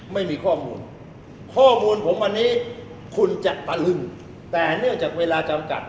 ไม่มีข้อมูลข้อมูลผมวันนี้คุณจะตะลึงแต่เนื่องจากเวลาจำกัด